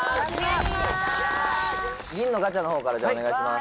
「銀のガチャの方からじゃあお願いします」